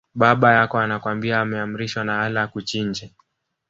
Baba yako anakwambia ameamrishwa na Allah akuchinje